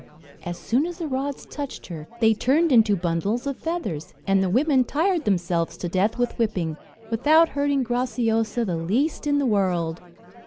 as soon as the rods touched her, they turned into bundles of feathers, and the women tired themselves to death with whipping, without hurting Graciosa the least in the world!